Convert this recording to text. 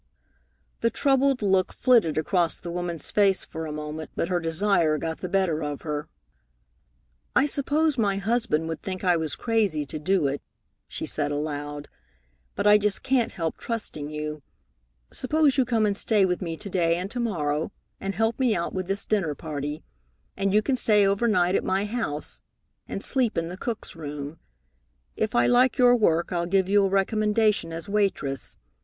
The troubled look flitted across the woman's face for a moment, but her desire got the better of her. "I suppose my husband would think I was crazy to do it," she said aloud, "but I just can't help trusting you. Suppose you come and stay with me to day and to morrow, and help me out with this dinner party, and you can stay overnight at my house and sleep in the cook's room. If I like your work, I'll give you a recommendation as waitress.